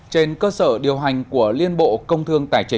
trên cơ sở điều hành của liên bộ công thương